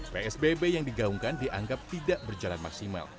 psbb yang digaungkan dianggap tidak berjalan maksimal